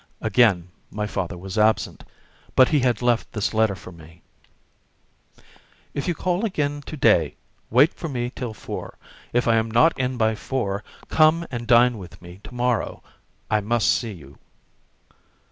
Again my father was absent, but he had left this letter for me: "If you call again to day, wait for me till four. If I am not in by four, come and dine with me to morrow. I must see you."